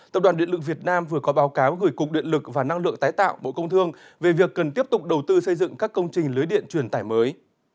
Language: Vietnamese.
tập đoàn điện lực việt nam vừa có báo cáo gửi cục điện lực và năng lượng tái tạo bộ công thương về việc cần tiếp tục đầu tư xây dựng các công trình lưới điện truyền tải mới